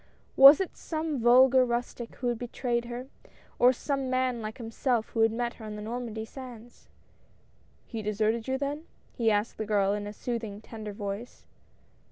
Was it some vulgar rustic who had betrayed her, or some man like himself who had met her on the Normandy sands? "He deserted you, then?" he asked the girl, in a soothing, tender voice.